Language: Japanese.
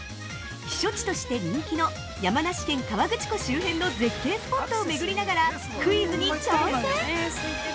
避暑地として人気の山梨県河口湖周辺の絶景スポットをめぐりながらクイズに挑戦。